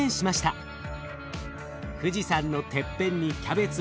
富士山のてっぺんにキャベツをのせて。